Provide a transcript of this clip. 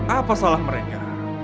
apa salah mereka